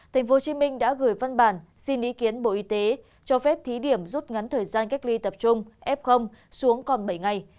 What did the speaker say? tp hcm đã gửi văn bản xin ý kiến bộ y tế cho phép thí điểm rút ngắn thời gian cách ly tập trung f xuống còn bảy ngày